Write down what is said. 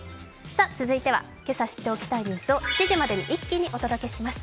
続いては、今朝知っておきたいニュースを７時までに一気にお届けします。